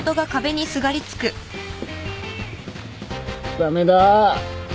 駄目だ。